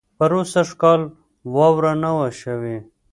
پروسږ کال واؤره نۀ وه شوې